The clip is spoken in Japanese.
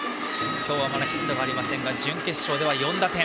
今日はまだヒットありませんが準決勝では４打点。